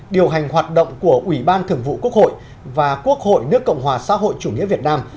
điều hành hoạt động của ủy ban thường vụ quốc hội và quốc hội nước cộng hòa xã hội chủ nghĩa việt nam